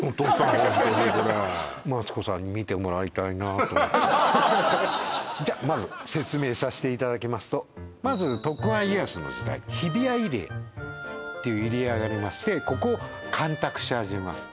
ホントにこれじゃあまず説明させていただきますとまず徳川家康の時代日比谷入江っていう入り江がありましてここを干拓し始めます